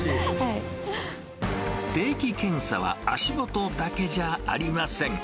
定期検査は足元だけじゃありません。